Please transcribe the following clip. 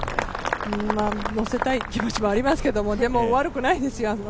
乗せたい気持ちはありますけど悪くないですよ。